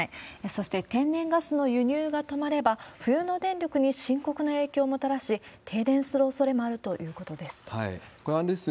そして、天然ガスの輸入が止まれば、冬の電力に深刻な影響をもたらし、停電するおそれもあるということです。